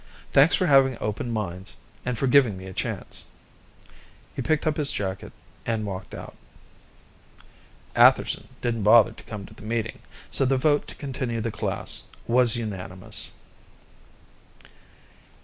Thanks for having open minds, and for giving me a chance." He picked up his jacket and walked out. Atherson didn't bother to come to the meeting, so the vote to continue the class was unanimous.